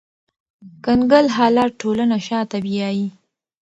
کنګل حالت ټولنه شاته بیایي